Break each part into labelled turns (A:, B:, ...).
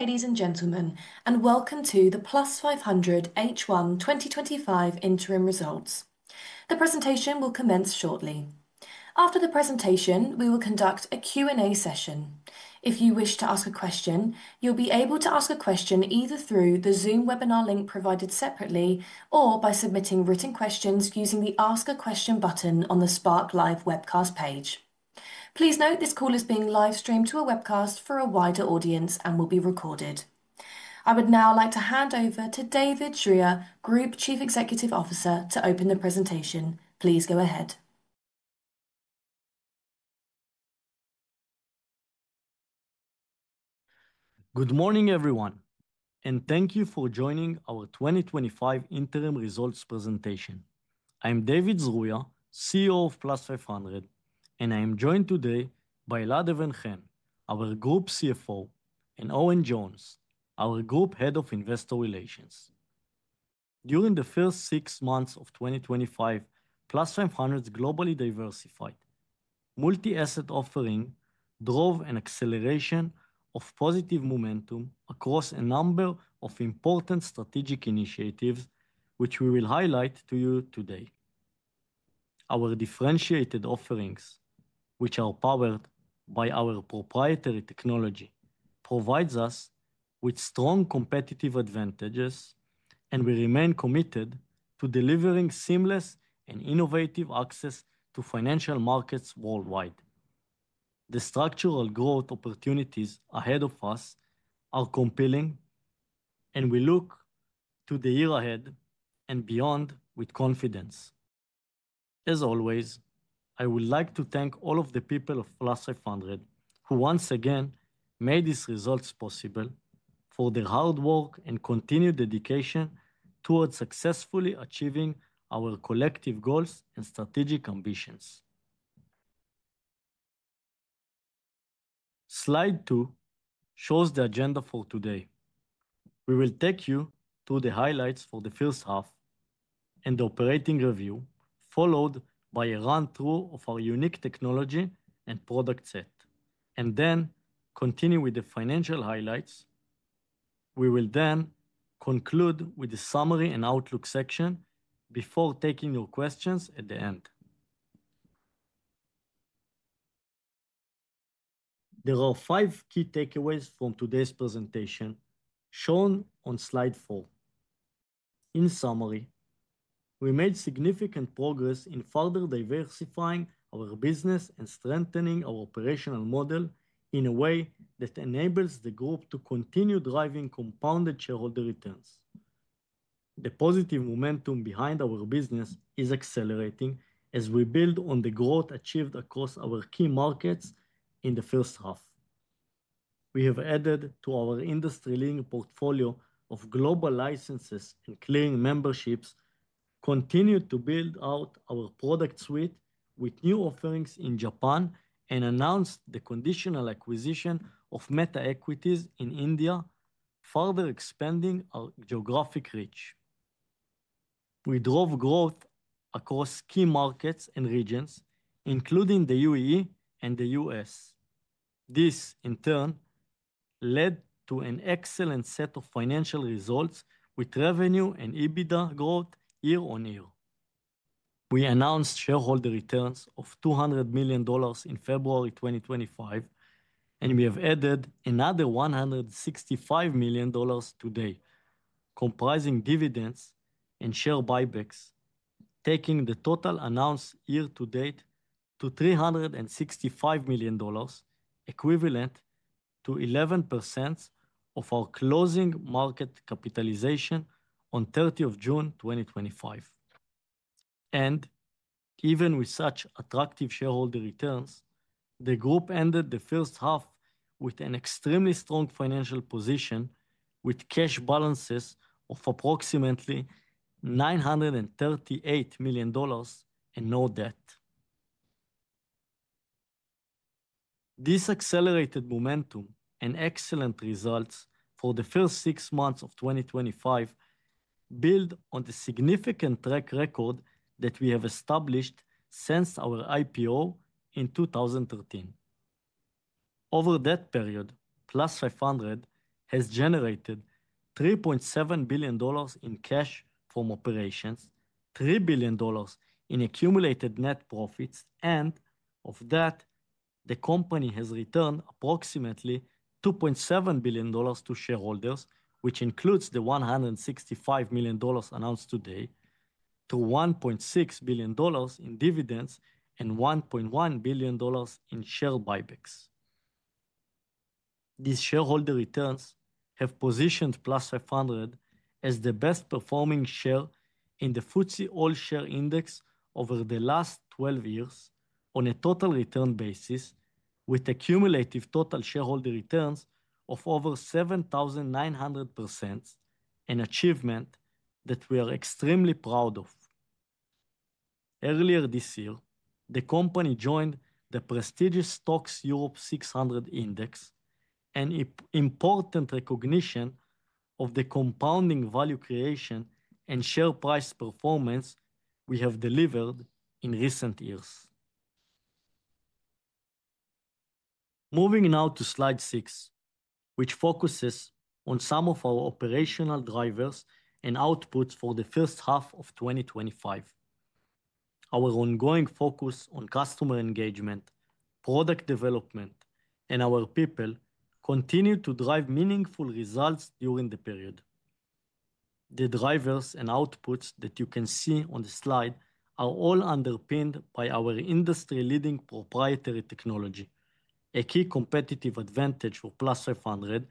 A: Ladies and gentlemen, welcome to the Plus500 H1 2025 interim results. The presentation will commence shortly. After the presentation, we will conduct a Q&A session. If you wish to ask a question, you'll be able to ask a question either through the Zoom webinar link provided separately or by submitting written questions using the Ask a Question button on the Spark Live webcast page. Please note this call is being live streamed to a webcast for a wider audience and will be recorded. I would now like to hand over to David Zruia, Group Chief Executive Officer, to open the presentation. Please go ahead.
B: Good morning, everyone, and thank you for joining our 2025 interim results presentation. I'm David Zruia, CEO of Plus500, and I am joined today by Elad Even-Chen, our Group CFO, and Owen Jones, our Group Head of Investor Relations. During the first six months of 2025, Plus500 has globally diversified. The multi-asset offering drove an acceleration of positive momentum across a number of important strategic initiatives, which we will highlight to you today. Our differentiated offerings, which are powered by our proprietary technology, provide us with strong competitive advantages, and we remain committed to delivering seamless and innovative access to financial markets worldwide. The structural growth opportunities ahead of us are compelling, and we look to the year ahead and beyond with confidence. As always, I would like to thank all of the people of Plus500 who once again made these results possible for their hard work and continued dedication towards successfully achieving our collective goals and strategic ambitions. Slide two shows the agenda for today. We will take you through the highlights for the first half and the operating review, followed by a run-through of our unique technology and product set, and then continue with the financial highlights. We will then conclude with a summary and outlook section before taking your questions at the end. There are five key takeaways from today's presentation, shown on slide four. In summary, we made significant progress in further diversifying our business and strengthening our operational model in a way that enables the group to continue driving compounded shareholder returns. The positive momentum behind our business is accelerating as we build on the growth achieved across our key markets in the first half. We have added to our industry-leading portfolio of global licenses and clearing memberships, continued to build out our product suite with new offerings in Japan, and announced the conditional acquisition of Meta Equities in India, further expanding our geographic reach. We drove growth across key markets and regions, including the U.A.E. and the U.S. This, in turn, led to an excellent set of financial results with revenue and EBITDA growth year-on-year. We announced shareholder returns of $200 million in February 2025, and we have added another $165 million today, comprising dividends and share buybacks, taking the total announced year to date to $365 million, equivalent to 11% of our closing market capitalization on 30 June 2025. Even with such attractive shareholder returns, the group ended the first half with an extremely strong financial position, with cash balances of approximately $938 million and no debt. This accelerated momentum and excellent results for the first six months of 2025 build on the significant track record that we have established since our IPO in 2013. Over that period, Plus500 has generated $3.7 billion in cash from operations, $3 billion in accumulated net profits, and of that, the company has returned approximately $2.7 billion to shareholders, which includes the $165 million announced today, to $1.6 billion in dividends and $1.1 billion in share buybacks. These shareholder returns have positioned Plus500 as the best-performing share in the FTSE All Share Index over the last 12 years on a total return basis, with a cumulative total shareholder return of over 7,900%, an achievement that we are extremely proud of. Earlier this year, the company joined the prestigious STOXX Europe 600 Index, an important recognition of the compounding value creation and share price performance we have delivered in recent years. Moving now to slide six, which focuses on some of our operational drivers and outputs for the first half of 2025. Our ongoing focus on customer engagement, product development, and our people continued to drive meaningful results during the period. The drivers and outputs that you can see on the slide are all underpinned by our industry-leading proprietary technology, a key competitive advantage for Plus500,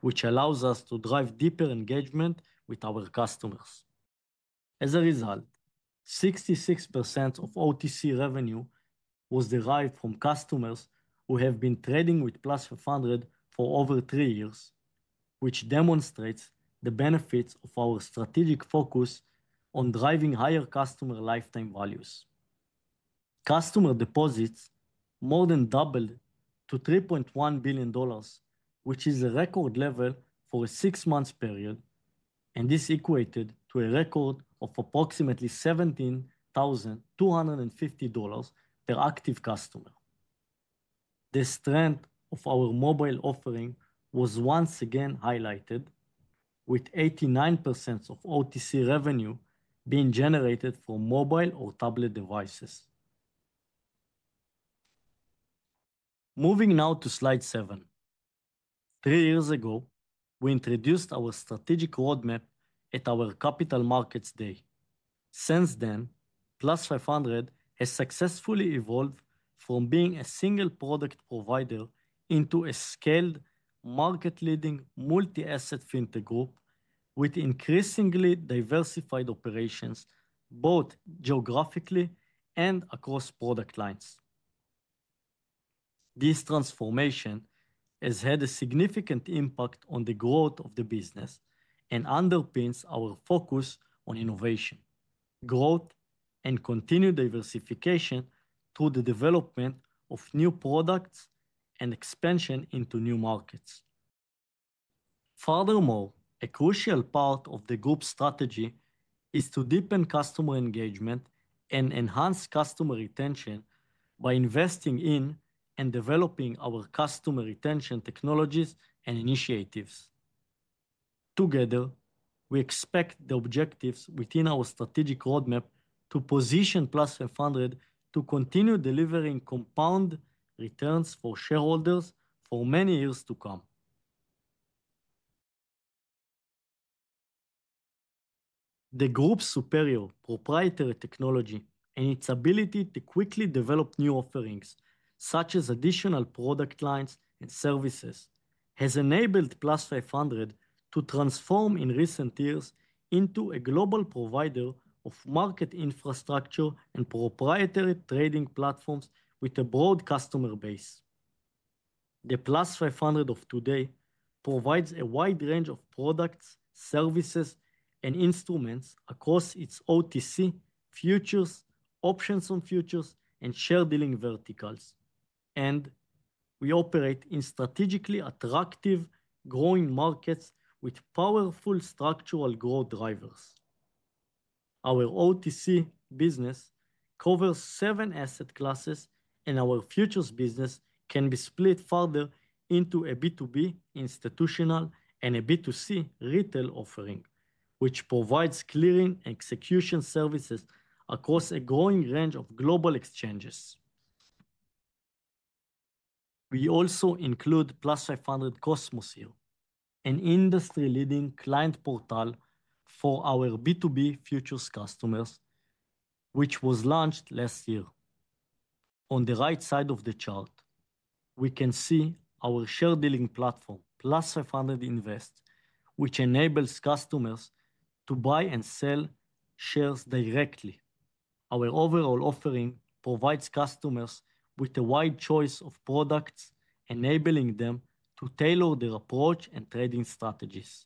B: which allows us to drive deeper engagement with our customers. As a result, 66% of OTC revenue was derived from customers who have been trading with Plus500 for over three years, which demonstrates the benefits of our strategic focus on driving higher customer lifetime values. Customer deposits more than doubled to $3.1 billion, which is a record level for a six-month period, and this equated to a record of approximately $17,250 per active customer. The strength of our mobile offering was once again highlighted, with 89% of OTC revenue being generated from mobile or tablet devices. Moving now to slide seven. Three years ago, we introduced our strategic roadmap at our Capital Markets Day. Since then, Plus500 has successfully evolved from being a single product provider into a scaled, market-leading multi-asset fintech group with increasingly diversified operations, both geographically and across product lines. This transformation has had a significant impact on the growth of the business and underpins our focus on innovation, growth, and continued diversification through the development of new products and expansion into new markets. Furthermore, a crucial part of the group's strategy is to deepen customer engagement and enhance customer retention by investing in and developing our customer retention technologies and initiatives. Together, we expect the objectives within our strategic roadmap to position Plus500 to continue delivering compound returns for shareholders for many years to come. The group's superior proprietary technology and its ability to quickly develop new offerings, such as additional product lines and services, have enabled Plus500 to transform in recent years into a global provider of market infrastructure and proprietary trading platforms with a broad customer base. The Plus500 of today provides a wide range of products, services, and instruments across its OTC, futures, options on futures, and share dealing verticals. We operate in strategically attractive, growing markets with powerful structural growth drivers. Our OTC business covers seven asset classes, and our futures business can be split further into a B2B institutional and a B2C retail offering, which provides clearing execution services across a growing range of global exchanges. We also include Plus500 Cosmos here, an industry-leading client portal for our B2B futures customers, which was launched last year. On the right side of the chart, we can see our share dealing platform, Plus500 Invest, which enables customers to buy and sell shares directly. Our overall offering provides customers with a wide choice of products, enabling them to tailor their approach and trading strategies.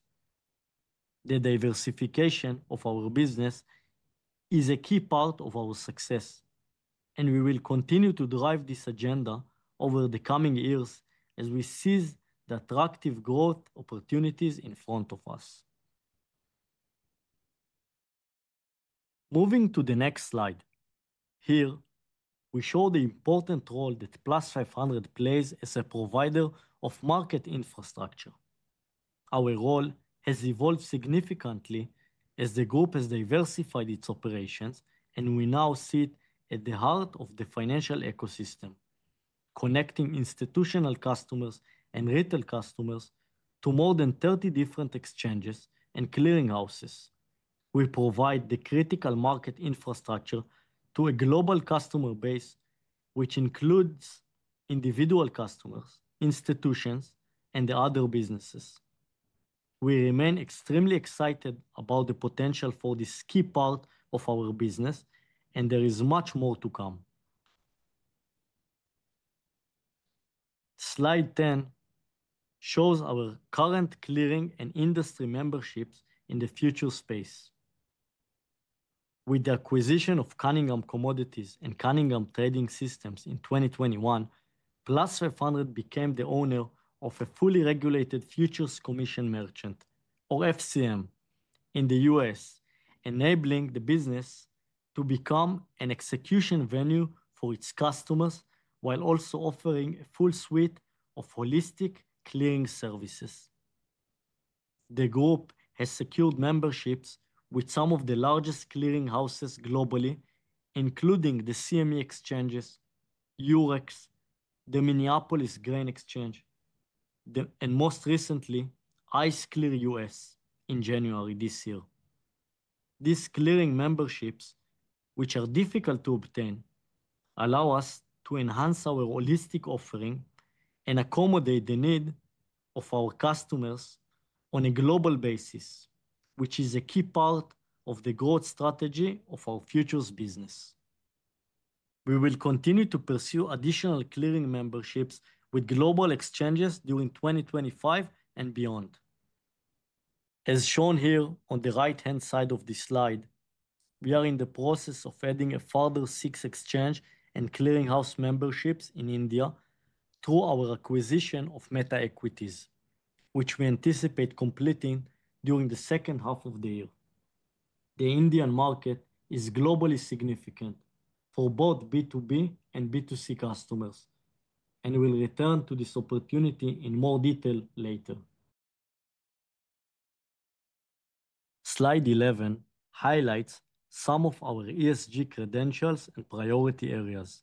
B: The diversification of our business is a key part of our success, and we will continue to drive this agenda over the coming years as we seize the attractive growth opportunities in front of us. Moving to the next slide, here we show the important role that Plus500 plays as a provider of market infrastructure. Our role has evolved significantly as the group has diversified its operations, and we now sit at the heart of the financial ecosystem, connecting institutional customers and retail customers to more than 30 different exchanges and clearinghouses. We provide the critical market infrastructure to a global customer base, which includes individual customers, institutions, and other businesses. We remain extremely excited about the potential for this key part of our business, and there is much more to come. Slide 10 shows our current clearing and industry memberships in the futures space. With the acquisition of Cunningham Commodities and Cunningham Trading Systems in 2021, Plus500 became the owner of a fully regulated futures commission merchant, or FCM, in the U.S., enabling the business to become an execution venue for its customers while also offering a full suite of holistic clearing services. The group has secured memberships with some of the largest clearinghouses globally, including the CME Group, Eurex, the Minneapolis Grain Exchange, and most recently, IceClear U.S. in January this year. These clearing memberships, which are difficult to obtain, allow us to enhance our holistic offering and accommodate the needs of our customers on a global basis, which is a key part of the growth strategy of our futures business. We will continue to pursue additional clearing memberships with global exchanges during 2025 and beyond. As shown here on the right-hand side of this slide, we are in the process of adding a further six exchange and clearinghouse memberships in India through our acquisition of Meta Equities, which we anticipate completing during the second half of the year. The Indian market is globally significant for both B2B and B2C customers, and we'll return to this opportunity in more detail later. Slide 11 highlights some of our ESG credentials and priority areas.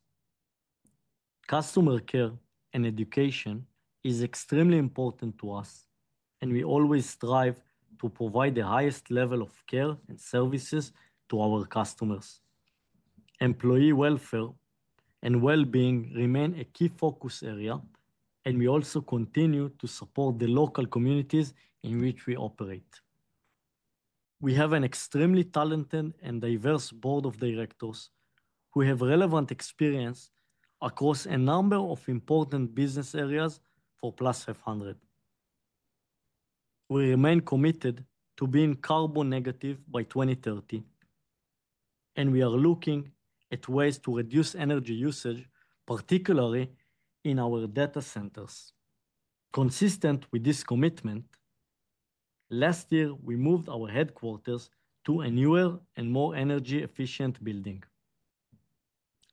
B: Customer care and education are extremely important to us, and we always strive to provide the highest level of care and services to our customers. Employee welfare and well-being remain a key focus area, and we also continue to support the local communities in which we operate. We have an extremely talented and diverse Board of Directors who have relevant experience across a number of important business areas for Plus500. We remain committed to being carbon negative by 2030, and we are looking at ways to reduce energy usage, particularly in our data centers. Consistent with this commitment, last year we moved our headquarters to a newer and more energy-efficient building.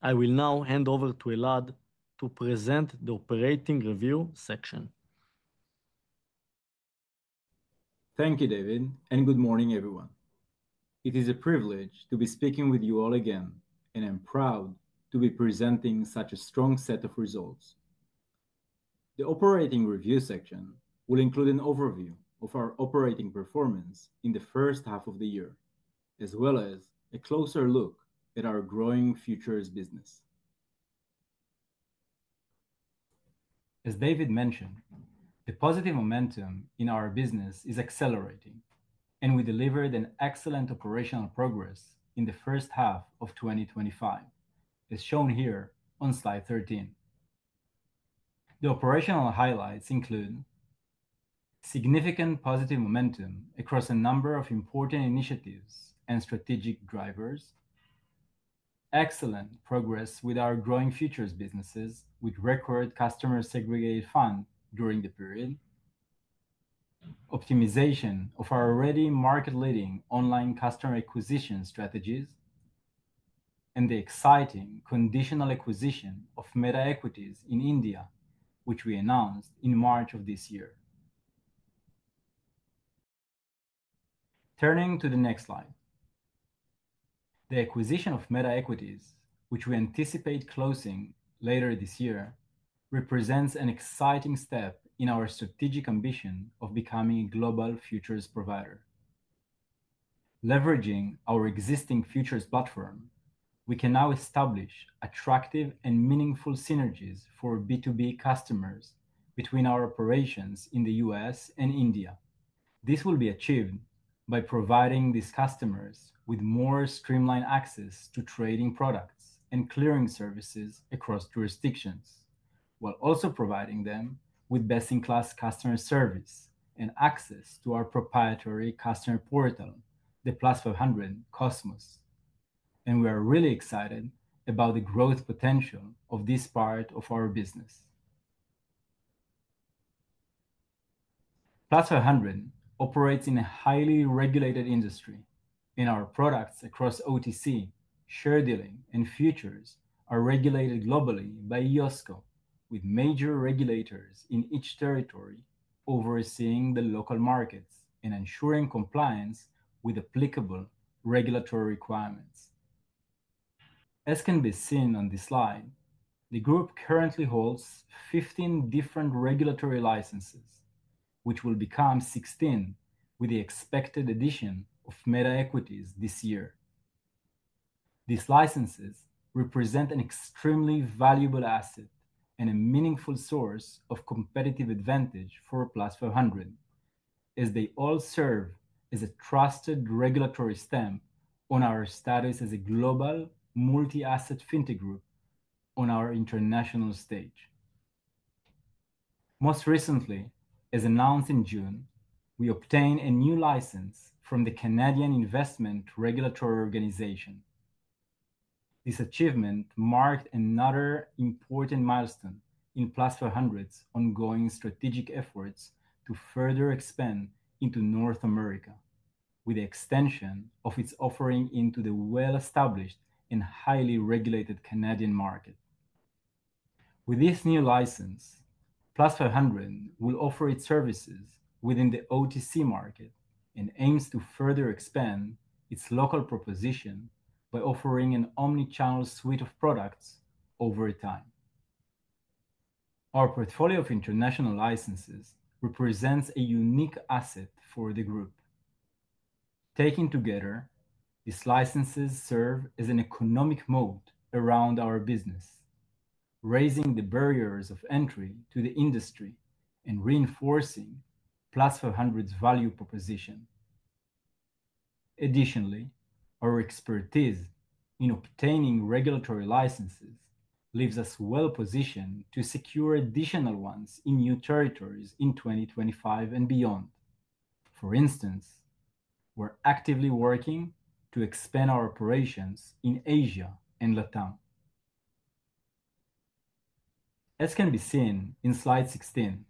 B: I will now hand over to Elad to present the operating review section.
C: Thank you, David, and good morning, everyone. It is a privilege to be speaking with you all again, and I'm proud to be presenting such a strong set of results. The operating review section will include an overview of our operating performance in the first half of the year, as well as a closer look at our growing futures business. As David mentioned, the positive momentum in our business is accelerating, and we delivered excellent operational progress in the first half of 2025, as shown here on slide 13. The operational highlights include significant positive momentum across a number of important initiatives and strategic drivers, excellent progress with our growing futures business with record customer segregated funds during the period, optimization of our already market-leading online customer acquisition strategies, and the exciting conditional acquisition of Meta Equities in India, which we announced in March of this year. Turning to the next slide, the acquisition of Meta Equities, which we anticipate closing later this year, represents an exciting step in our strategic ambition of becoming a global futures provider. Leveraging our existing futures platform, we can now establish attractive and meaningful synergies for B2B customers between our operations in the U.S. and India. This will be achieved by providing these customers with more streamlined access to trading products and clearing services across jurisdictions, while also providing them with best-in-class customer service and access to our proprietary customer portal, the Plus500 Cosmos. We are really excited about the growth potential of this part of our business. Plus500 operates in a highly regulated industry, and our products across OTC, share dealing, and futures are regulated globally by IOSCO, with major regulators in each territory overseeing the local markets and ensuring compliance with applicable regulatory requirements. As can be seen on this slide, the group currently holds 15 different regulatory licenses, which will become 16 with the expected addition of Meta Equities this year. These licenses represent an extremely valuable asset and a meaningful source of competitive advantage for Plus500, as they all serve as a trusted regulatory stamp on our status as a global multi-asset fintech group on our international stage. Most recently, as announced in June, we obtained a new license from the Canadian Investment Regulatory Organization. This achievement marked another important milestone in Plus500's ongoing strategic efforts to further expand into North America, with the extension of its offering into the well-established and highly regulated Canadian market. With this new license, Plus500 will offer its services within the OTC market and aims to further expand its local proposition by offering an omnichannel suite of products over time. Our portfolio of international licenses represents a unique asset for the group. Taken together, these licenses serve as an economic moat around our business, raising the barriers of entry to the industry and reinforcing Plus500's value proposition. Additionally, our expertise in obtaining regulatory licenses leaves us well-positioned to secure additional ones in new territories in 2025 and beyond. For instance, we're actively working to expand our operations in Asia and LATAM. As can be seen in slide 16,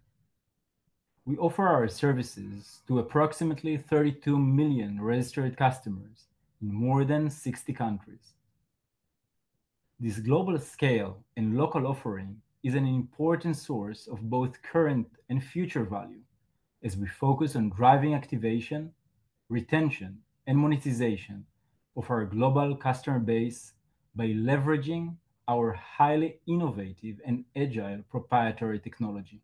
C: we offer our services to approximately 32 million registered customers in more than 60 countries. This global scale and local offering is an important source of both current and future value, as we focus on driving activation, retention, and monetization of our global customer base by leveraging our highly innovative and agile proprietary technology.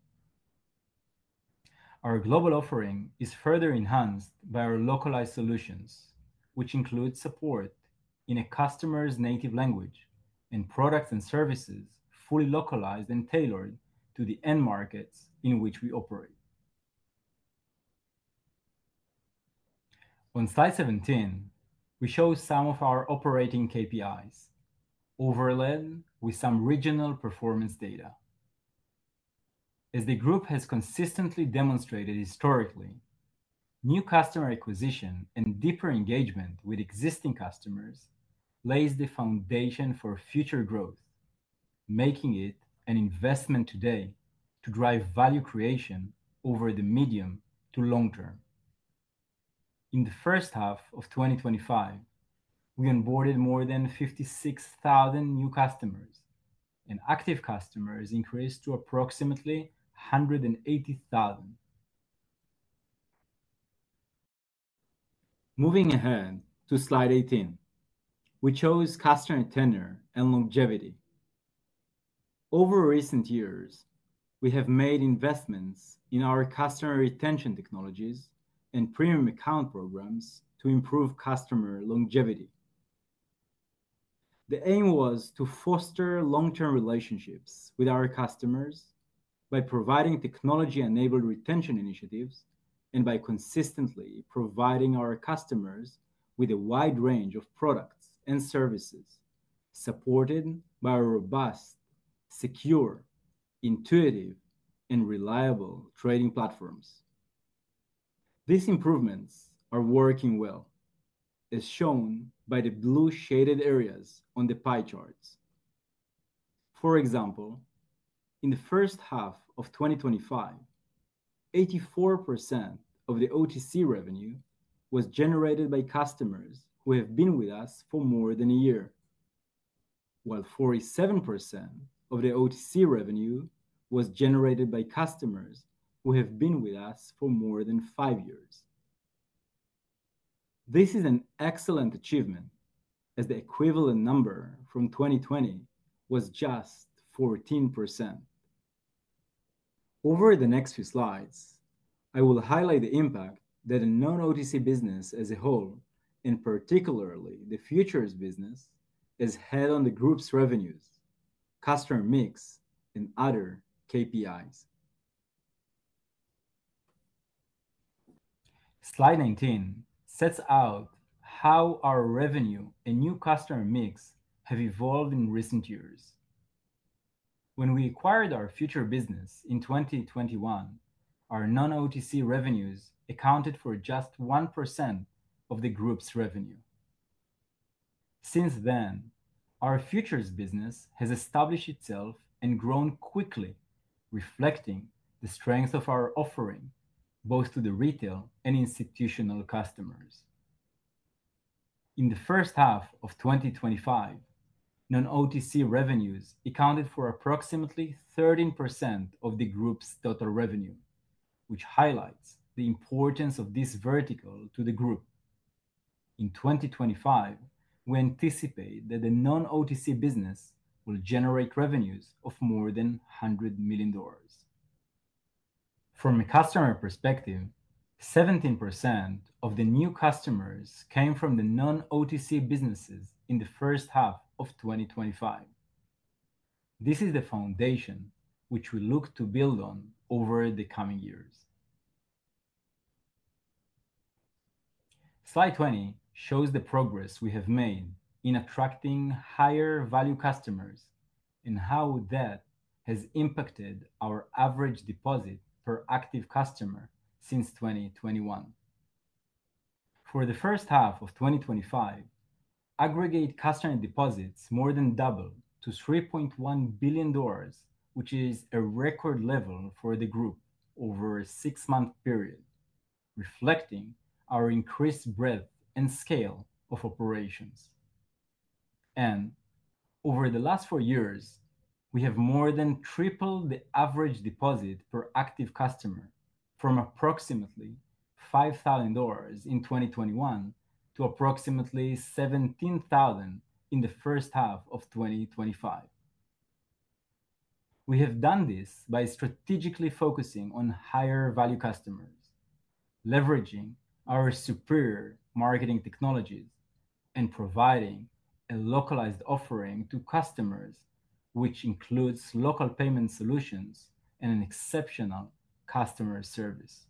C: Our global offering is further enhanced by our localized solutions, which include support in a customer's native language and products and services fully localized and tailored to the end markets in which we operate. On slide 17, we show some of our operating KPIs, overlaid with some regional performance data. As the group has consistently demonstrated historically, new customer acquisition and deeper engagement with existing customers lays the foundation for future growth, making it an investment today to drive value creation over the medium to long term. In the first half of 2025, we onboarded more than 56,000 new customers, and active customers increased to approximately 180,000. Moving ahead to slide 18, we chose customer tenure and longevity. Over recent years, we have made investments in our customer retention technologies and premium account programs to improve customer longevity. The aim was to foster long-term relationships with our customers by providing technology-enabled retention initiatives and by consistently providing our customers with a wide range of products and services supported by our robust, secure, intuitive, and reliable trading platforms. These improvements are working well, as shown by the blue shaded areas on the pie charts. For example, in the first half of 2025, 84% of the OTC revenue was generated by customers who have been with us for more than a year, while 47% of the OTC revenue was generated by customers who have been with us for more than five years. This is an excellent achievement, as the equivalent number from 2020 was just 14%. Over the next few slides, I will highlight the impact that a non-OTC business as a whole, and particularly the futures business, has had on the group's revenues, customer mix, and other KPIs. Slide 19 sets out how our revenue and new customer mix have evolved in recent years. When we acquired our futures business in 2021, our non-OTC revenues accounted for just 1% of the group's revenue. Since then, our futures business has established itself and grown quickly, reflecting the strengths of our offering both to the retail and institutional customers. In the first half of 2025, non-OTC revenues accounted for approximately 13% of the group's total revenue, which highlights the importance of this vertical to the group. In 2025, we anticipate that the non-OTC business will generate revenues of more than $100 million. From a customer perspective, 17% of the new customers came from the non-OTC businesses in the first half of 2025. This is the foundation which we look to build on over the coming years. Slide 20 shows the progress we have made in attracting higher-value customers and how that has impacted our average deposit per active customer since 2021. For the first half of 2025, aggregate customer deposits more than doubled to $3.1 billion, which is a record level for the group over a six-month period, reflecting our increased breadth and scale of operations. Over the last four years, we have more than tripled the average deposit per active customer from approximately $5,000 in 2021 to approximately $17,000 in the first half of 2025. We have done this by strategically focusing on higher-value customers, leveraging our superior marketing technologies, and providing a localized offering to customers, which includes local payment solutions and an exceptional customer service.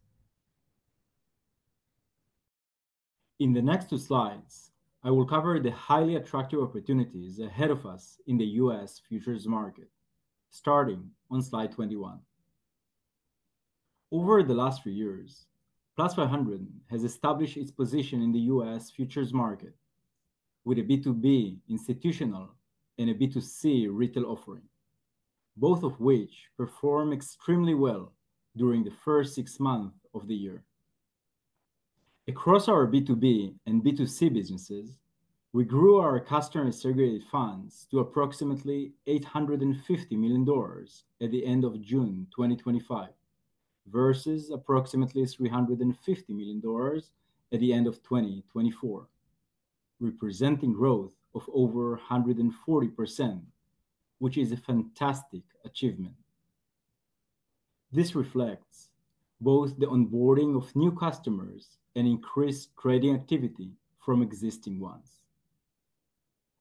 C: In the next two slides, I will cover the highly attractive opportunities ahead of us in the U.S. futures market, starting on slide 21. Over the last few years, Plus500 has established its position in the U.S. futures market with a B2B institutional and a B2C retail offering, both of which perform extremely well during the first six months of the year. Across our B2B and B2C businesses, we grew our customer segregated funds to approximately $850 million at the end of June 2025, versus approximately $350 million at the end of 2024, representing growth of over 140%, which is a fantastic achievement. This reflects both the onboarding of new customers and increased trading activity from existing ones.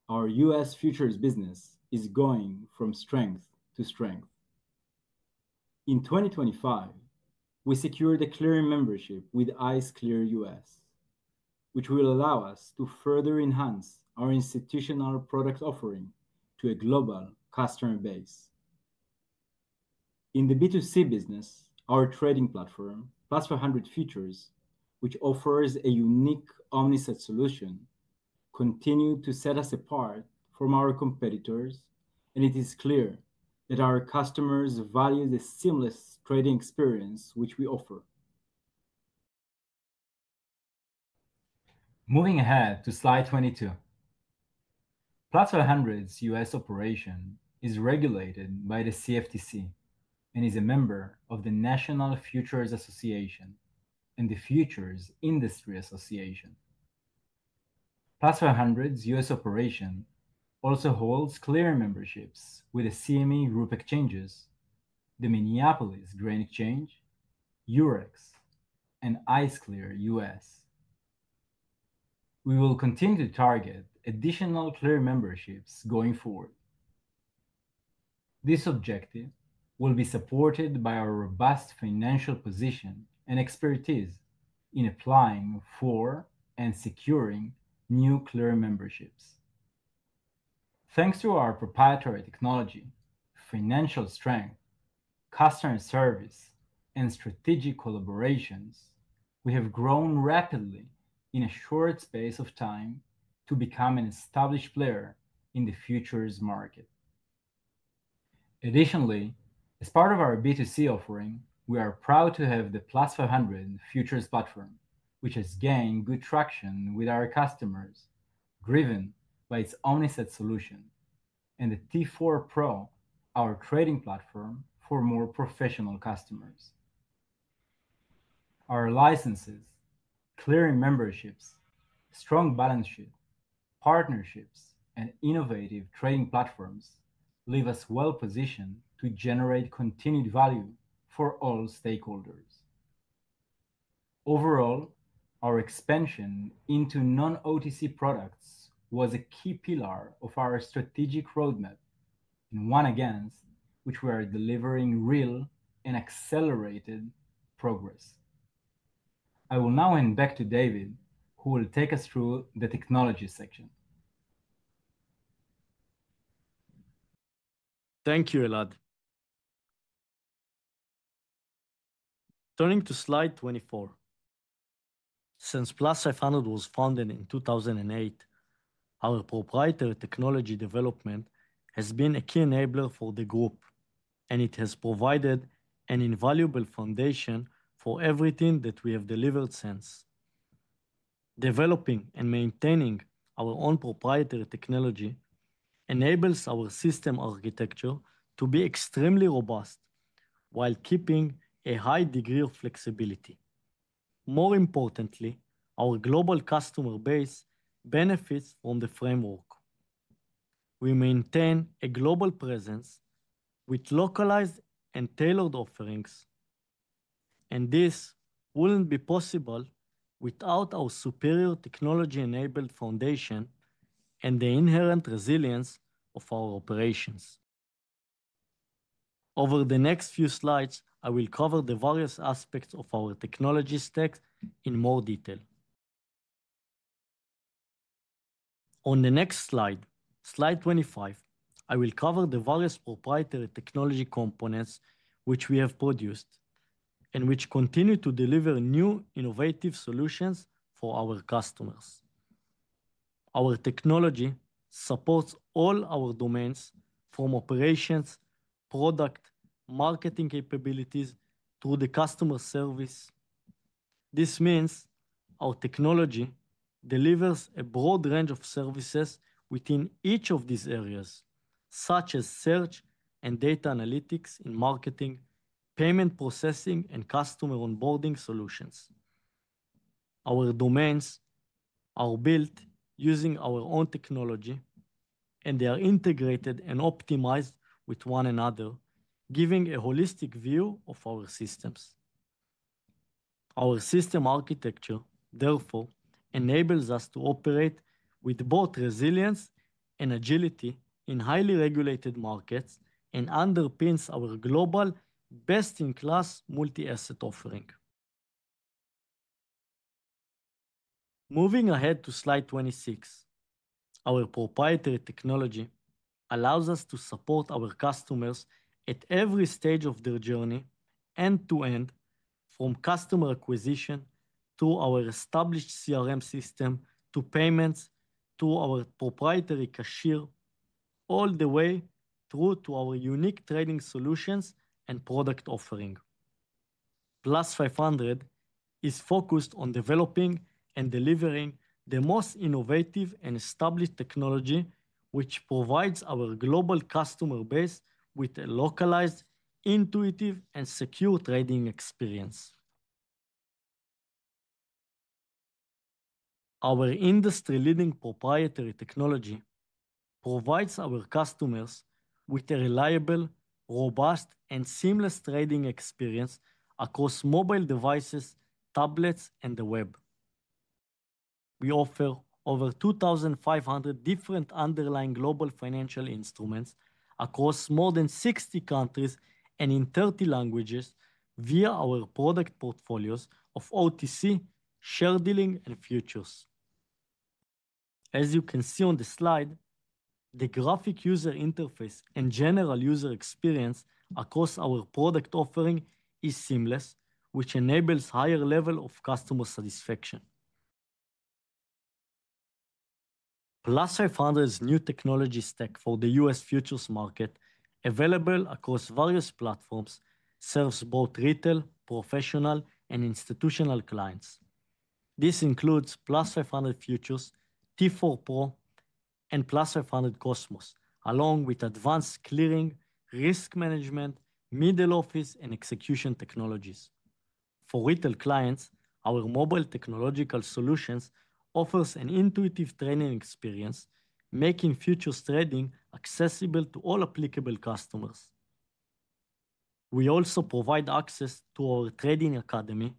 C: Our U.S. futures business is going from strength to strength. In 2025, we secured a clearing membership with IceClear U.S., which will allow us to further enhance our institutional product offering to a global customer base. In the B2C business, our trading platform, Plus500 Futures, which offers a unique omni-asset solution, continues to set us apart from our competitors, and it is clear that our customers value the seamless trading experience which we offer. Moving ahead to slide 22, Plus500's U.S. operation is regulated by the CFTC and is a member of the National Futures Association and the Futures Industry Association. Plus500's U.S. operation also holds clearing memberships with the CME Group, the Minneapolis Grain Exchange, Eurex, and IceClear U.S. We will continue to target additional clearing memberships going forward. This objective will be supported by our robust financial position and expertise in applying for and securing new clearing memberships. Thanks to our proprietary technology, financial strength, customer service, and strategic collaborations, we have grown rapidly in a short space of time to become an established player in the futures market. Additionally, as part of our B2C offering, we are proud to have the Plus500 Futures platform, which has gained good traction with our customers, driven by its omni-asset solution, and the T4 Pro, our trading platform for more professional customers. Our licenses, clearing memberships, strong balance sheet, partnerships, and innovative trading platforms leave us well-positioned to generate continued value for all stakeholders. Overall, our expansion into non-OTC products was a key pillar of our strategic roadmap and one against which we are delivering real and accelerated progress. I will now hand back to David, who will take us through the technology section.
B: Thank you, Elad. Turning to slide 24. Since Plus500 was founded in 2008, our proprietary technology development has been a key enabler for the group, and it has provided an invaluable foundation for everything that we have delivered since. Developing and maintaining our own proprietary technology enables our system architecture to be extremely robust while keeping a high degree of flexibility. More importantly, our global customer base benefits from the framework. We maintain a global presence with localized and tailored offerings, and this wouldn't be possible without our superior technology-enabled foundation and the inherent resilience of our operations. Over the next few slides, I will cover the various aspects of our technology stack in more detail. On the next slide, slide 25, I will cover the various proprietary technology components which we have produced and which continue to deliver new innovative solutions for our customers. Our technology supports all our domains, from operations, product, and marketing capabilities through the customer service. This means our technology delivers a broad range of services within each of these areas, such as search and data analytics in marketing, payment processing, and customer onboarding solutions. Our domains are built using our own technology, and they are integrated and optimized with one another, giving a holistic view of our systems. Our system architecture, therefore, enables us to operate with both resilience and agility in highly regulated markets and underpins our global best-in-class multi-asset offering. Moving ahead to slide 26, our proprietary technology allows us to support our customers at every stage of their journey, end to end, from customer acquisition through our established CRM system to payments through our proprietary cashier, all the way through to our unique trading solutions and product offering. Plus500 is focused on developing and delivering the most innovative and established technology, which provides our global customer base with a localized, intuitive, and secure trading experience. Our industry-leading proprietary technology provides our customers with a reliable, robust, and seamless trading experience across mobile devices, tablets, and the web. We offer over 2,500 different underlying global financial instruments across more than 60 countries and in 30 languages via our product portfolios of OTC, share dealing, and futures. As you can see on the slide, the graphic user interface and general user experience across our product offering are seamless, which enables a higher level of customer satisfaction. Plus500's new technology stack for the U.S. futures market, available across various platforms, serves both retail, professional, and institutional clients. This includes Plus500 Futures, T4 Pro, and Plus500 Cosmos, along with advanced clearing, risk management, middle office, and execution technologies. For retail clients, our mobile technological solutions offer an intuitive trading experience, making futures trading accessible to all applicable customers. We also provide access to our trading academy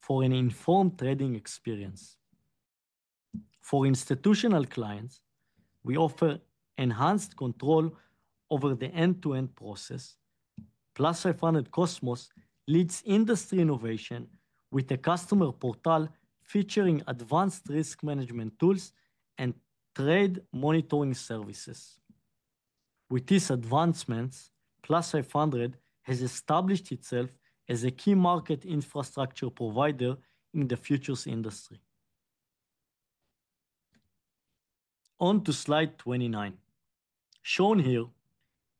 B: for an informed trading experience. For institutional clients, we offer enhanced control over the end-to-end process. Plus500 Cosmos leads industry innovation with a customer portal featuring advanced risk management tools and trade monitoring services. With these advancements, Plus500 has established itself as a key market infrastructure provider in the futures industry. On to slide 29. Shown here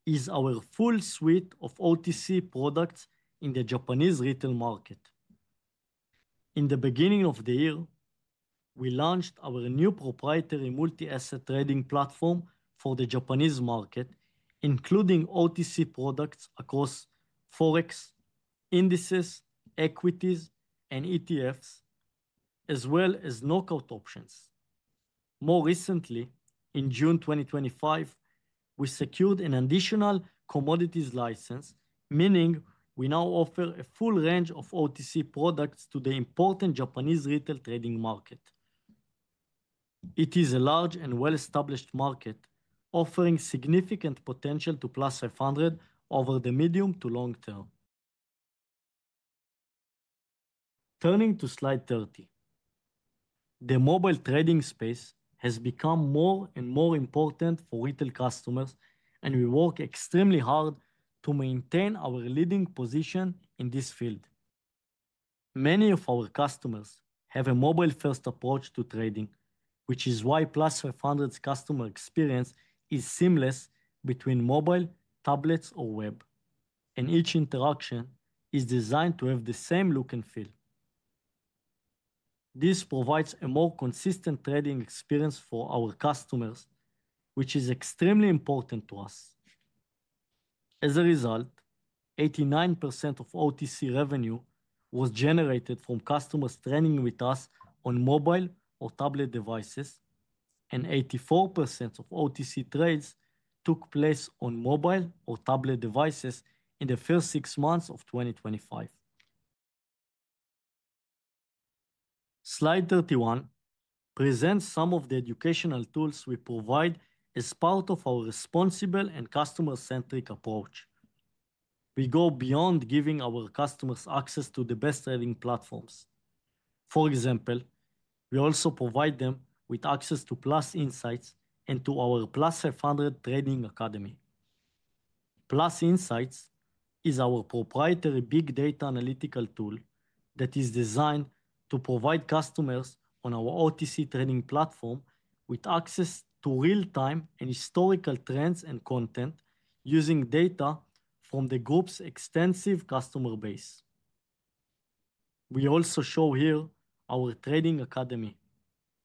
B: is our full suite of OTC products in the Japanese retail market. In the beginning of the year, we launched our new proprietary multi-asset trading platform for the Japanese market, including OTC products across Forex, indices, equities, and ETFs, as well as knock-out options. More recently, in June 2025, we secured an additional commodities license, meaning we now offer a full range of OTC products to the important Japanese retail trading market. It is a large and well-established market, offering significant potential to Plus500 over the medium to long term. Turning to slide 30. The mobile trading space has become more and more important for retail customers, and we work extremely hard to maintain our leading position in this field. Many of our customers have a mobile-first approach to trading, which is why Plus500's customer experience is seamless between mobile, tablets, or web, and each interaction is designed to have the same look and feel. This provides a more consistent trading experience for our customers, which is extremely important to us. As a result, 89% of OTC revenue was generated from customers trading with us on mobile or tablet devices, and 84% of OTC trades took place on mobile or tablet devices in the first six months of 2025. Slide 31 presents some of the educational tools we provide as part of our responsible and customer-centric approach. We go beyond giving our customers access to the best trading platforms. For example, we also provide them with access to Plus Insights and to our Plus500 Trading Academy. Plus Insights is our proprietary big data analytical tool that is designed to provide customers on our OTC trading platform with access to real-time and historical trends and content using data from the group's extensive customer base. We also show here our trading academy,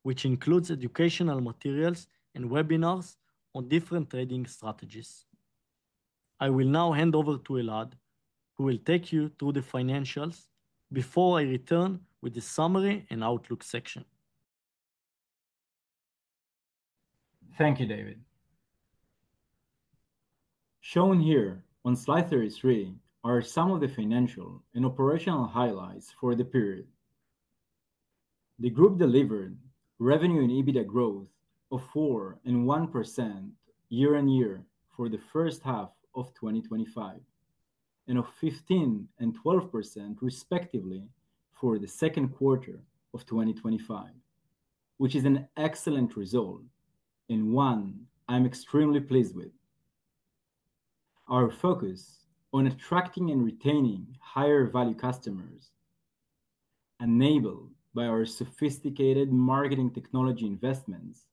B: which includes educational materials and webinars on different trading strategies. I will now hand over to Elad, who will take you through the financials before I return with a summary and outlook section.
C: Thank you, David. Shown here on slide 33 are some of the financial and operational highlights for the period. The group delivered revenue and EBITDA growth of 4% and 1% year-on-year for the first half of 2025, and of 15% and 12% respectively for the second quarter of 2025, which is an excellent result and one I'm extremely pleased with. Our focus on attracting and retaining higher-value customers, enabled by our sophisticated marketing technology investments,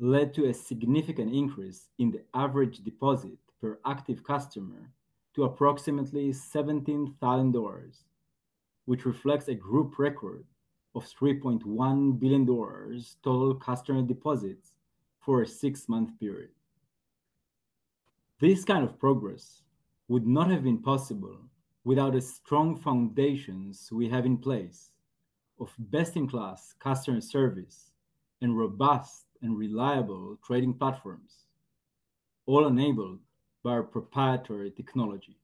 C: led to a significant increase in the average deposit per active customer to approximately $17,000, which reflects a group record of $3.1 billion total customer deposits for a six-month period. This kind of progress would not have been possible without the strong foundations we have in place of best-in-class customer service and robust and reliable trading platforms, all enabled by our proprietary technology.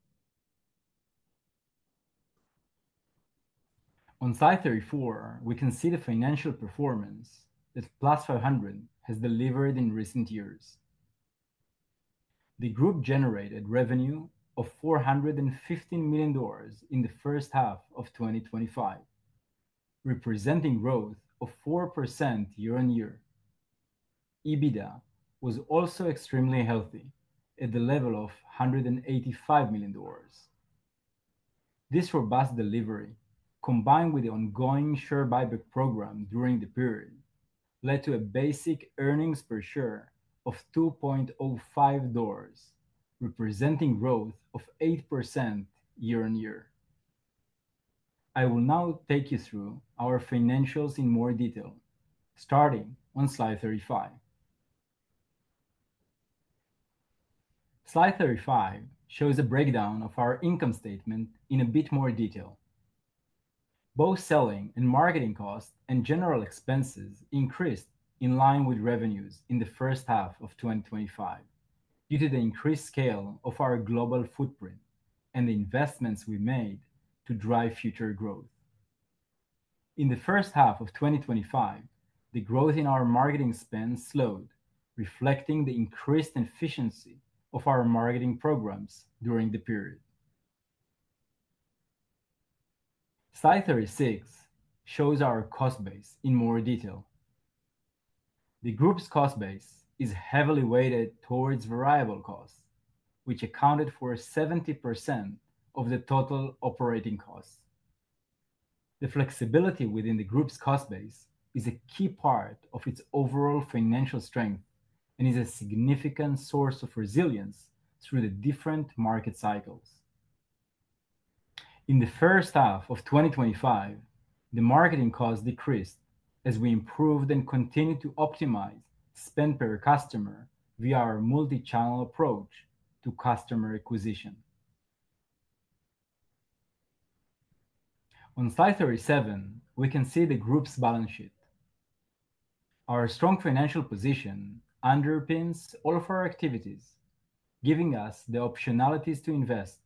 C: On slide 34, we can see the financial performance that Plus500 has delivered in recent years. The group generated revenue of $415 million in the first half of 2025, representing growth of 4% year-on-year. EBITDA was also extremely healthy at the level of $185 million. This robust delivery, combined with the ongoing share buyback program during the period, led to a basic earnings per share of $2.05, representing growth of 8% year-on-year. I will now take you through our financials in more detail, starting on slide 35. Slide 35 shows a breakdown of our income statement in a bit more detail. Both selling and marketing costs and general expenses increased in line with revenues in the first half of 2025 due to the increased scale of our global footprint and the investments we made to drive future growth. In the first half of 2025, the growth in our marketing spend slowed, reflecting the increased efficiency of our marketing programs during the period. Slide 36 shows our cost base in more detail. The group's cost base is heavily weighted towards variable costs, which accounted for 70% of the total operating costs. The flexibility within the group's cost base is a key part of its overall financial strength and is a significant source of resilience through the different market cycles. In the first half of 2025, the marketing costs decreased as we improved and continued to optimize spend per customer via our multi-channel approach to customer acquisition. On slide 37, we can see the group's balance sheet. Our strong financial position underpins all of our activities, giving us the optionalities to invest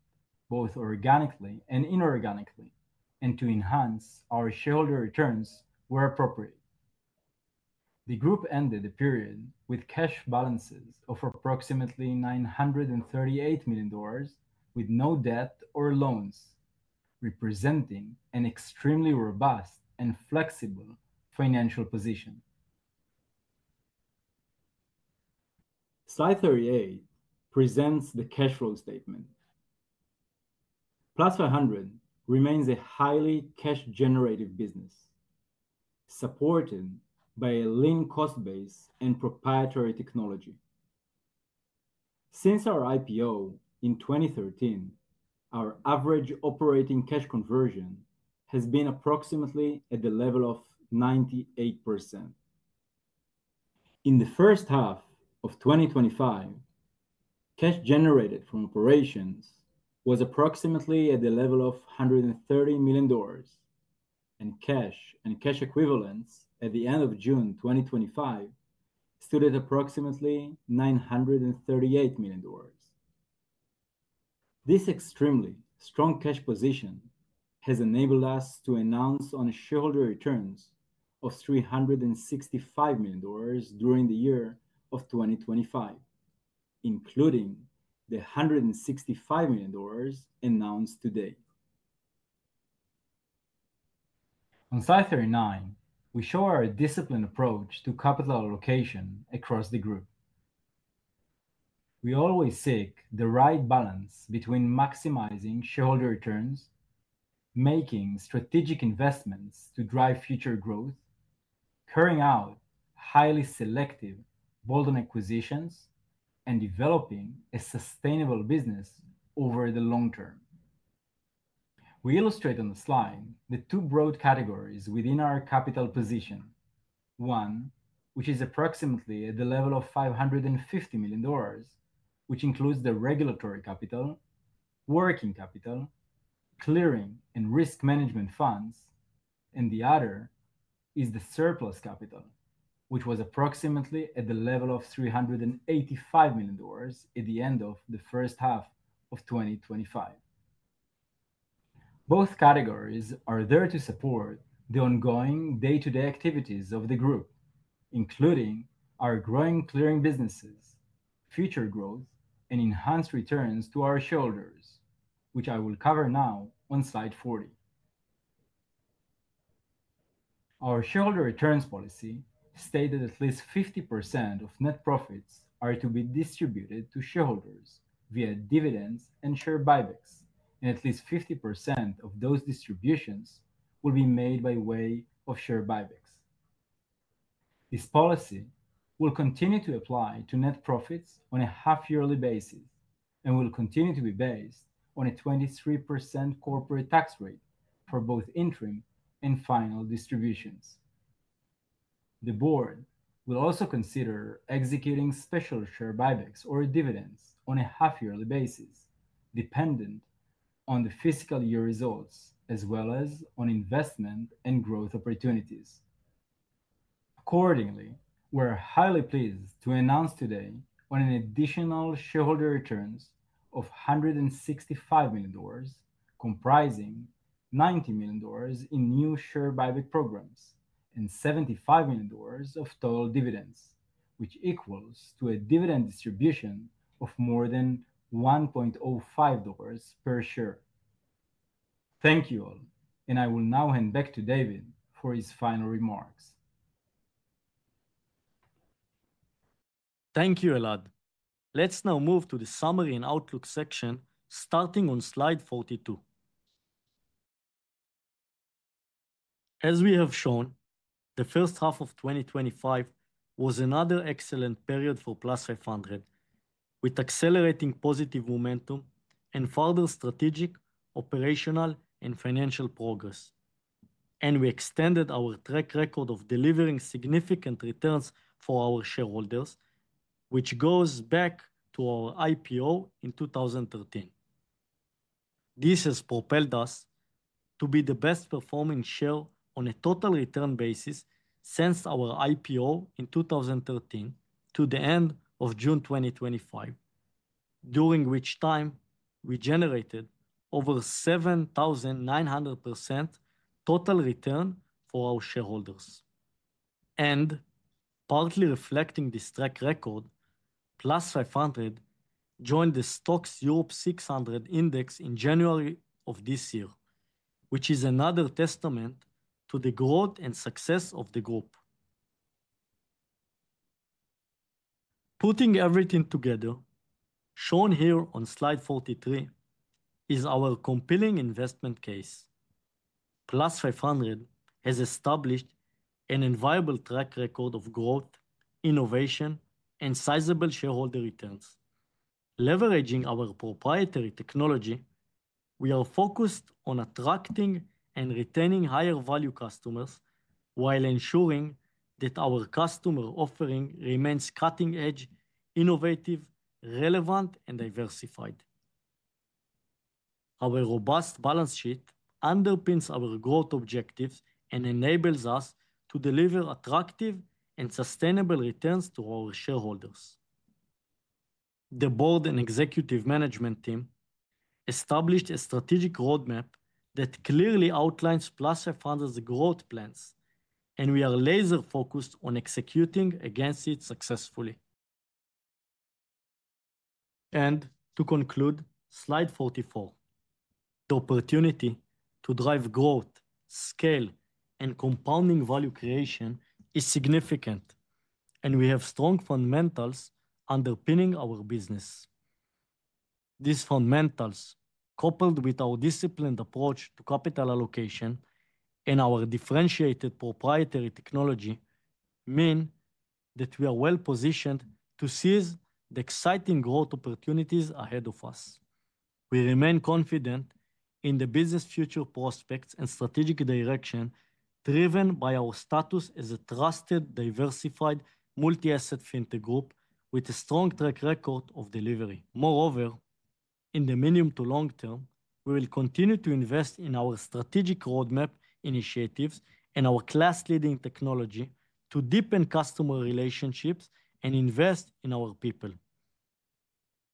C: both organically and inorganically, and to enhance our shareholder returns where appropriate. The group ended the period with cash balances of approximately $938 million with no debt or loans, representing an extremely robust and flexible financial position. Slide 38 presents the cash flow statement. Plus500 remains a highly cash-generative business, supported by a lean cost base and proprietary technology. Since our IPO in 2013, our average operating cash conversion has been approximately at the level of 98%. In the first half of 2025, cash generated from operations was approximately at the level of $130 million, and cash and cash equivalents at the end of June 2025 stood at approximately $938 million. This extremely strong cash position has enabled us to announce on shareholder returns of $365 million during the year of 2025, including the $165 million announced today. On slide 39, we show our disciplined approach to capital allocation across the group. We always seek the right balance between maximizing shareholder returns, making strategic investments to drive future growth, carrying out highly selective bold acquisitions, and developing a sustainable business over the long term. We illustrate on the slide the two broad categories within our capital position: one, which is approximately at the level of $550 million, which includes the regulatory capital, working capital, clearing, and risk management funds, and the other is the surplus capital, which was approximately at the level of $385 million at the end of the first half of 2025. Both categories are there to support the ongoing day-to-day activities of the group, including our growing clearing businesses, future growth, and enhanced returns to our shareholders, which I will cover now on slide 40. Our shareholder returns policy stated at least 50% of net profits are to be distributed to shareholders via dividends and share buybacks, and at least 50% of those distributions will be made by way of share buybacks. This policy will continue to apply to net profits on a half-yearly basis and will continue to be based on a 23% corporate tax rate for both interim and final distributions. The Board will also consider executing special share buybacks or dividends on a half-yearly basis, dependent on the fiscal year results as well as on investment and growth opportunities. Accordingly, we're highly pleased to announce today on an additional shareholder returns of $165 million, comprising $90 million in new share buyback programs and $75 million of total dividends, which equals to a dividend distribution of more than $1.05 per share. Thank you all, and I will now hand back to David for his final remarks.
B: Thank you, Elad. Let's now move to the summary and outlook section, starting on slide 42. As we have shown, the first half of 2025 was another excellent period for Plus500, with accelerating positive momentum and further strategic, operational, and financial progress. We extended our track record of delivering significant returns for our shareholders, which goes back to our IPO in 2013. This has propelled us to be the best-performing share on a total return basis since our IPO in 2013 to the end of June 2025, during which time we generated over 7,900% total return for our shareholders. Partly reflecting this track record, Plus500 joined the STOXX Europe 600 Index in January of this year, which is another testament to the growth and success of the group. Putting everything together, shown here on slide 43 is our compelling investment case. Plus500 has established an enviable track record of growth, innovation, and sizable shareholder returns. Leveraging our proprietary technology, we are focused on attracting and retaining higher-value customers while ensuring that our customer offering remains cutting-edge, innovative, relevant, and diversified. Our robust balance sheet underpins our growth objectives and enables us to deliver attractive and sustainable returns to our shareholders. The Board and Executive Management Team established a strategic roadmap that clearly outlines Plus500's growth plans, and we are laser-focused on executing against it successfully. To conclude, slide 44. The opportunity to drive growth, scale, and compounding value creation is significant, and we have strong fundamentals underpinning our business. These fundamentals, coupled with our disciplined approach to capital allocation and our differentiated proprietary technology, mean that we are well-positioned to seize the exciting growth opportunities ahead of us. We remain confident in the business future prospects and strategic direction driven by our status as a trusted, diversified multi-asset fintech group with a strong track record of delivery. Moreover, in the medium to long term, we will continue to invest in our strategic roadmap initiatives and our class-leading technology to deepen customer relationships and invest in our people.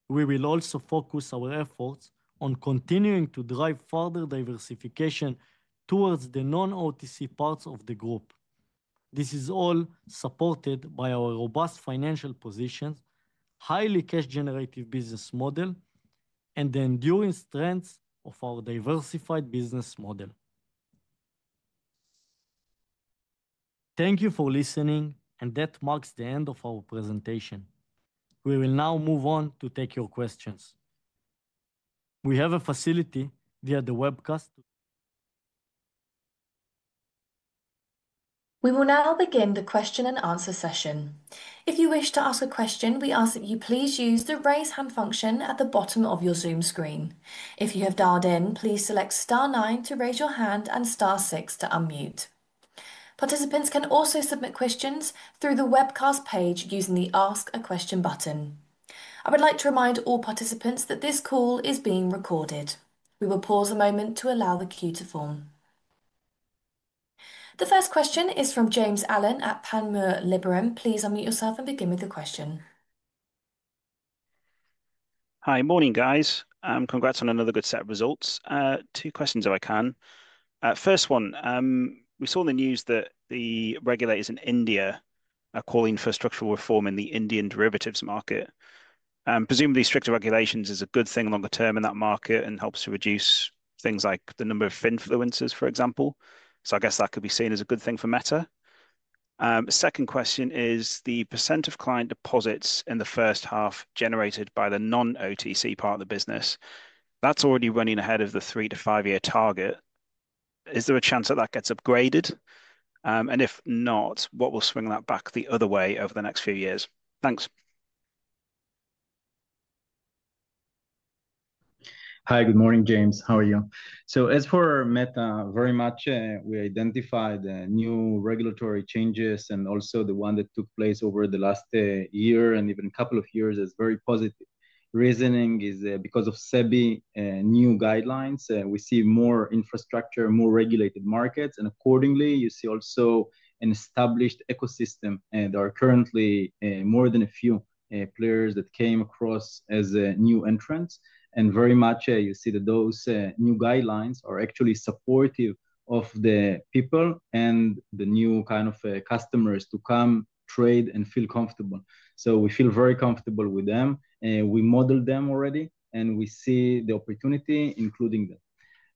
B: We will also focus our efforts on continuing to drive further diversification towards the non-OTC parts of the group. This is all supported by our robust financial positions, highly cash-generative business model, and the enduring strengths of our diversified business model. Thank you for listening, and that marks the end of our presentation. We will now move on to take your questions. We have a facility via the webcast.
A: We will now begin the question-and-answer session. If you wish to ask a question, we ask that you please use the raise hand function at the bottom of your Zoom screen. If you have dialed in, please select star nine to raise your hand and star six to unmute. Participants can also submit questions through the webcast page using the ask a question button. I would like to remind all participants that this call is being recorded. We will pause a moment to allow the queue to form. The first question is from James Allen at Panmure Liberum. Please unmute yourself and begin with a question.
D: Hi, morning guys. Congrats on another good set of results. Two questions if I can. First one, we saw in the news that the regulators in India are calling for structural reform in the Indian derivatives market. Presumably, stricter regulations are a good thing longer term in that market and help to reduce things like the number of influencers, for example. I guess that could be seen as a good thing for Meta Equities. The second question is the percent of client deposits in the first half generated by the non-OTC part of the business. That's already running ahead of the three to five-year target. Is there a chance that that gets upgraded? If not, what will swing that back the other way over the next few years? Thanks.
C: Hi, good morning, James. How are you? As for Meta, very much, we identified new regulatory changes and also the ones that took place over the last year and even a couple of years as very positive. Reasoning is because of SEBI new guidelines. We see more infrastructure, more regulated markets, and accordingly, you see also an established ecosystem. There are currently more than a few players that came across as new entrants, and very much you see that those new guidelines are actually supportive of the people and the new kind of customers to come trade and feel comfortable. We feel very comfortable with them. We model them already, and we see the opportunity including them.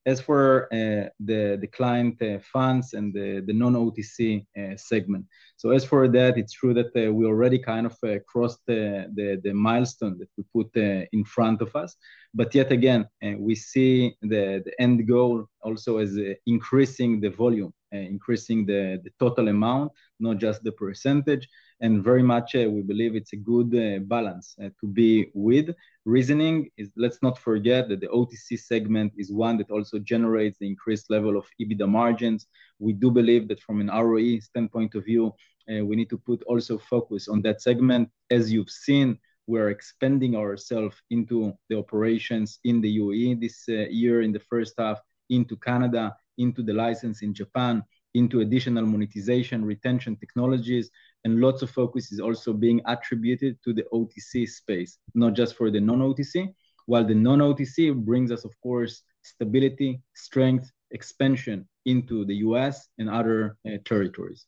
C: As for the client funds and the non-OTC segment, it's true that we already kind of crossed the milestone that we put in front of us, but yet again, we see the end goal also as increasing the volume, increasing the total amount, not just the percentage, and very much we believe it's a good balance to be with. Reasoning is let's not forget that the OTC segment is one that also generates the increased level of EBITDA margins. We do believe that from an ROE standpoint of view, we need to put also focus on that segment. As you've seen, we're expanding ourselves into the operations in the U.A.E this year in the first half, into Canada, into the license in Japan, into additional monetization, retention technologies, and lots of focus is also being attributed to the OTC space, not just for the non-OTC, while the non-OTC brings us, of course, stability, strength, expansion into the U.S. and other territories.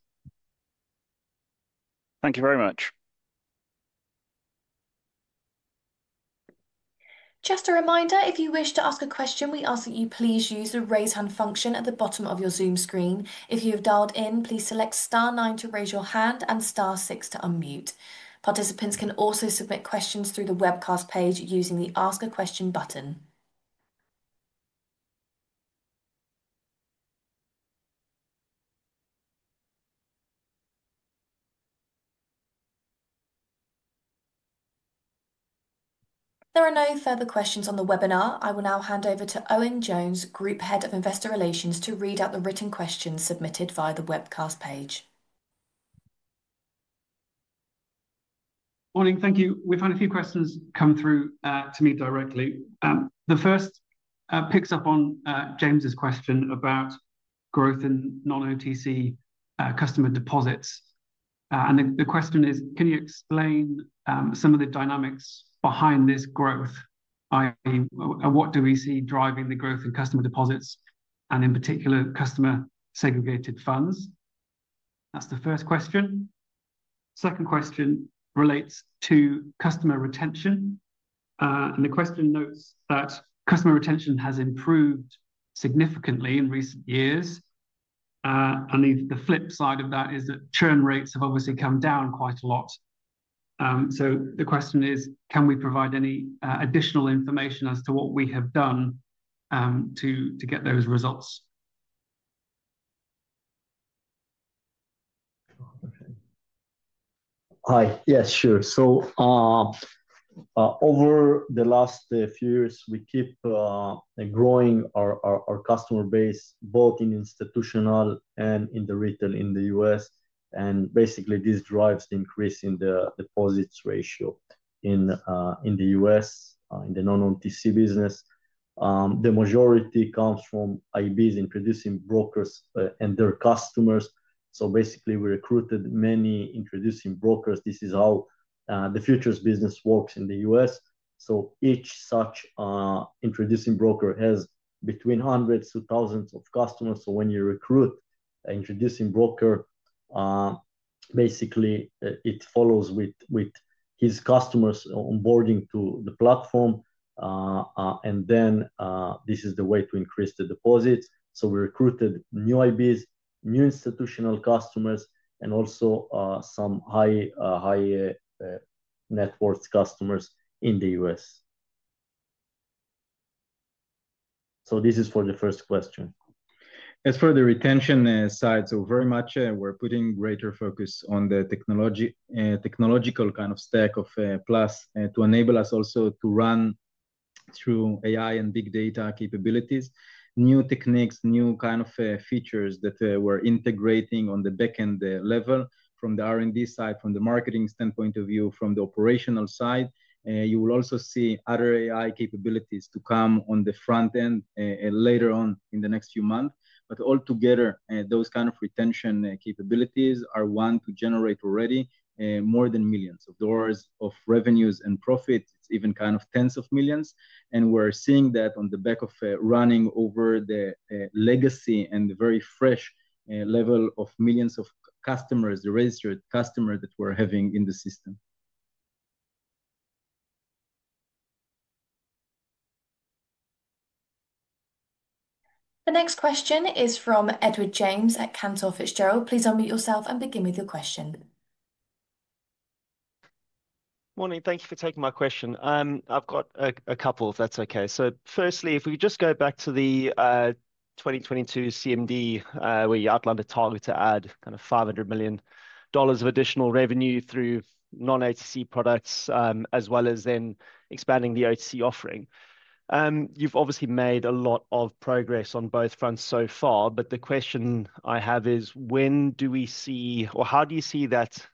D: Thank you very much.
A: Just a reminder, if you wish to ask a question, we ask that you please use the raise hand function at the bottom of your Zoom screen. If you have dialed in, please select star nine to raise your hand and star six to unmute. Participants can also submit questions through the webcast page using the ask a question button. There are no further questions on the webinar. I will now hand over to Owen Jones, Group Head of Investor Relations, to read out the written questions submitted via the webcast page.
E: Morning, thank you. We've had a few questions come through to me directly. The first picks up on James's question about growth in non-OTC customer deposits. The question is, can you explain some of the dynamics behind this growth? What do we see driving the growth in customer deposits and, in particular, customer segregated funds? That's the first question. The second question relates to customer retention. The question notes that customer retention has improved significantly in recent years. The flip side of that is that churn rates have obviously come down quite a lot. The question is, can we provide any additional information as to what we have done to get those results?
B: Hi. Yes, sure. Over the last few years, we keep growing our customer base, both in institutional and in the retail in the U.S. This drives the increase in the deposits ratio in the U.S. in the non-OTC business. The majority comes from IBs, introducing brokers, and their customers. We recruited many introducing brokers. This is how the futures business works in the U.S. Each such introducing broker has between hundreds to thousands of customers. When you recruit an introducing broker, it follows with his customers onboarding to the platform. This is the way to increase the deposits. We recruited new IBs, new institutional customers, and also some high net worth customers in the U.S. This is for the first question.
C: As for the retention side, we are putting greater focus on the technological kind of stack of Plus500 to enable us also to run through AI and big data capabilities, new techniques, new kind of features that we're integrating on the backend level from the R&D side, from the marketing standpoint of view, from the operational side. You will also see other AI capabilities to come on the front end later on in the next few months. Altogether, those kind of retention capabilities are ones to generate already more than millions of dollars of revenues and profits, even kind of tens of millions. We're seeing that on the back of running over the legacy and the very fresh level of millions of customers, the registered customers that we're having in the system.
A: The next question is from Edward James at Cantor Fitzgerald. Please unmute yourself and begin with your question.
F: Morning. Thank you for taking my question. I've got a couple, if that's okay. Firstly, if we could just go back to the 2022 CMD where you outlined a target to add kind of $500 million of additional revenue through non-OTC products, as well as expanding the OTC offering. You've obviously made a lot of progress on both fronts so far, but the question I have is, when do we see, or how do you see that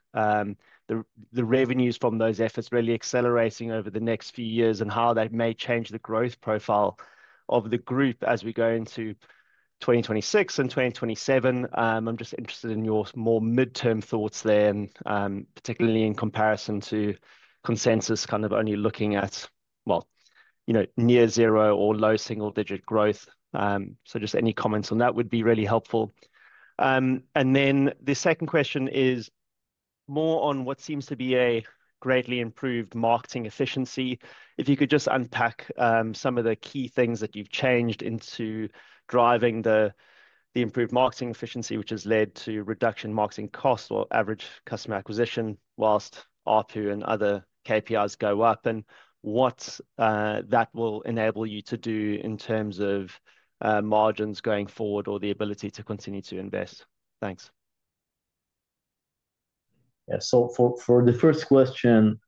F: the revenues from those efforts really accelerating over the next few years and how that may change the growth profile of the group as we go into 2026 and 2027? I'm just interested in your more midterm thoughts there, particularly in comparison to consensus kind of only looking at, you know, near zero or low single-digit growth. Any comments on that would be really helpful. The second question is more on what seems to be a greatly improved marketing efficiency. If you could just unpack some of the key things that you've changed in driving the improved marketing efficiency, which has led to reduction in marketing costs or average customer acquisition, whilst ARPU and other KPIs go up, and what that will enable you to do in terms of margins going forward or the ability to continue to invest. Thanks.
B: Yeah. For the first question,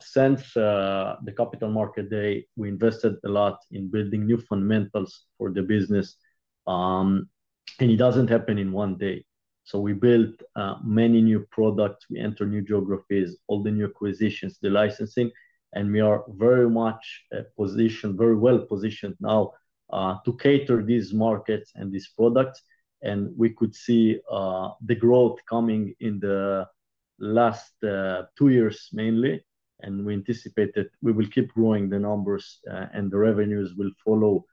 B: since the Capital Market Day, we invested a lot in building new fundamentals for the business, and it doesn't happen in one day. We built many new products, we enter new geographies, all the new acquisitions, the licensing, and we are very much positioned, very well positioned now to cater these markets and these products. We could see the growth coming in the last two years, mainly, and we anticipate that we will keep growing the numbers and the revenues will follow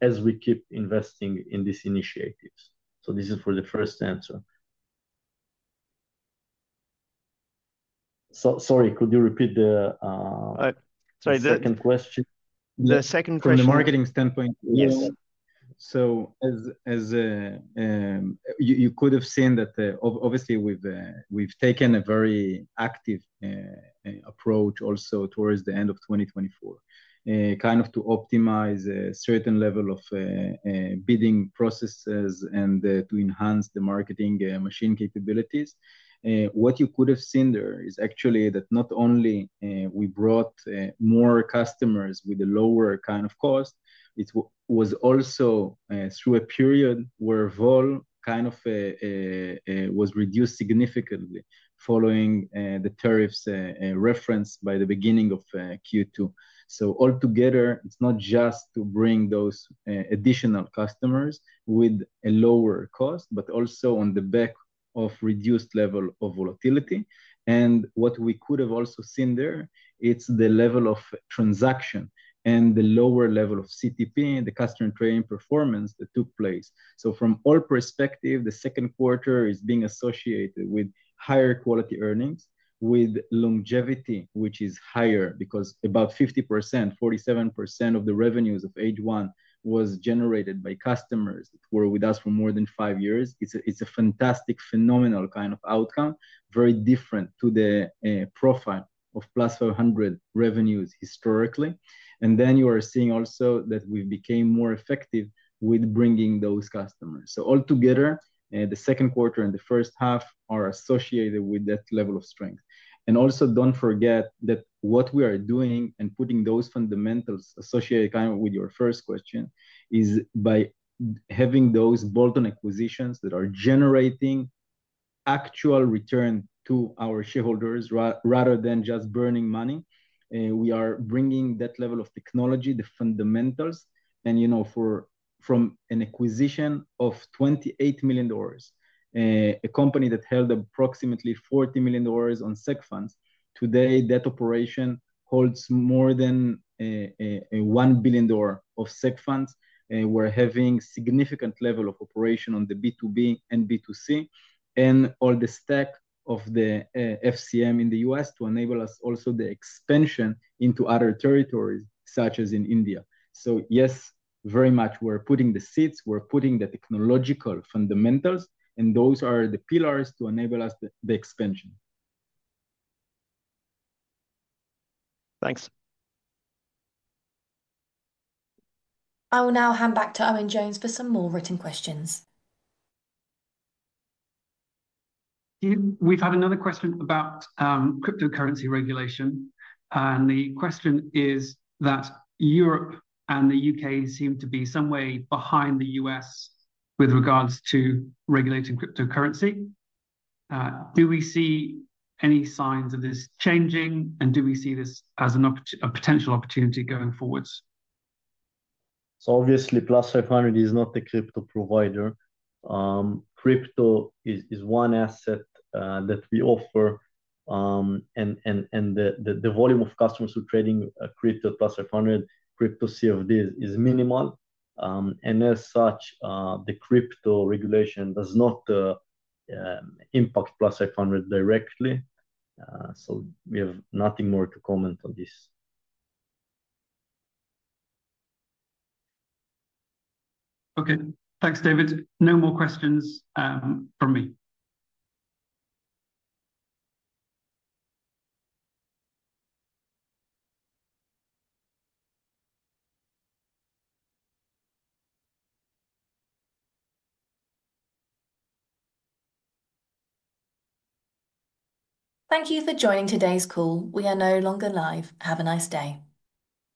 B: as we keep investing in these initiatives. This is for the first answer. Sorry, could you repeat the second question?
F: The second question, from the marketing standpoint, yes.
B: As you could have seen, obviously we've taken a very active approach also towards the end of 2024, kind of to optimize a certain level of bidding processes and to enhance the marketing machine capabilities. What you could have seen there is actually that not only we brought more customers with a lower kind of cost, it was also through a period where vol kind of was reduced significantly following the tariffs referenced by the beginning of Q2. Altogether, it's not just to bring those additional customers with a lower cost, but also on the back of a reduced level of volatility. What we could have also seen there, it's the level of transaction and the lower level of CTP, the customer and trading performance that took place. From all perspectives, the second quarter is being associated with higher quality earnings, with longevity, which is higher because about 50%, 47% of the revenues of H1 was generated by customers that were with us for more than five years. It's a fantastic, phenomenal kind of outcome, very different to the profile of Plus500 revenues historically. You are seeing also that we've become more effective with bringing those customers. Altogether, the second quarter and the first half are associated with that level of strength. Also, don't forget that what we are doing and putting those fundamentals associated kind of with your first question is by having those bolt-on acquisitions that are generating actual return to our shareholders rather than just burning money. We are bringing that level of technology, the fundamentals, and you know, from an acquisition of $28 million, a company that held approximately $40 million on SEC funds. Today, that operation holds more than $1 billion of SEC funds. We're having a significant level of operation on the B2B and B2C and all the stack of the FCM in the U.S. to enable us also the expansion into other territories, such as in India. Yes, very much we're putting the seats, we're putting the technological fundamentals, and those are the pillars to enable us the expansion.
F: Thanks.
A: I will now hand back to Owen Jones for some more written questions.
E: We've had another question about cryptocurrency regulation, and the question is that Europe and the U.K. seem to be somewhere behind the U.S. with regards to regulating cryptocurrency. Do we see any signs of this changing, and do we see this as a potential opportunity going forwards?
B: Obviously, Plus500 is not a crypto provider. Crypto is one asset that we offer, and the volume of customers who are trading crypto at Plus500, crypto CFDs, is minimal. As such, the crypto regulation does not impact Plus500 directly. We have nothing more to comment on this.
E: Okay. Thanks, David. No more questions from me.
A: Thank you for joining today's call. We are no longer live. Have a nice day.